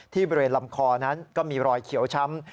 บริเวณลำคอนั้นก็มีรอยเขียวช้ำ